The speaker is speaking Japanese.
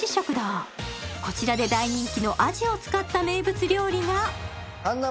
こちらで大人気のアジを使った名物料理が半生